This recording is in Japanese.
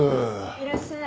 いらっしゃい。